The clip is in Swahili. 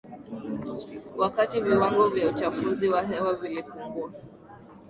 wakati viwango vya uchafuzi wa hewa vilipungua